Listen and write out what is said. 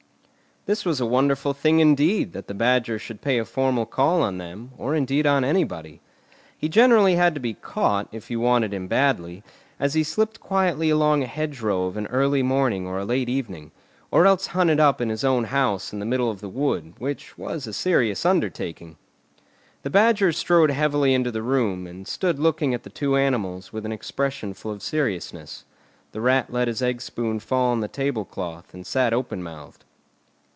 This was a wonderful thing, indeed, that the Badger should pay a formal call on them, or indeed on anybody. He generally had to be caught, if you wanted him badly, as he slipped quietly along a hedgerow of an early morning or a late evening, or else hunted up in his own house in the middle of the Wood, which was a serious undertaking. The Badger strode heavily into the room, and stood looking at the two animals with an expression full of seriousness. The Rat let his egg spoon fall on the table cloth, and sat open mouthed.